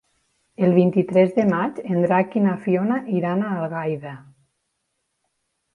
El vint-i-tres de maig en Drac i na Fiona iran a Algaida.